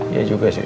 iya juga sih